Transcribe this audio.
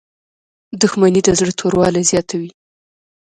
• دښمني د زړه توروالی زیاتوي.